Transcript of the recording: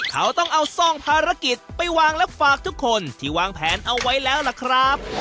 เขาต้องเอาซ่องภารกิจไปวางและฝากทุกคนที่วางแผนเอาไว้แล้วล่ะครับ